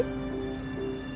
kau yang terbaik flora